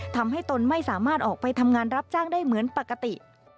ตนไม่สามารถออกไปทำงานรับจ้างได้เหมือนปกติ